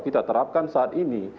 kita terapkan saat ini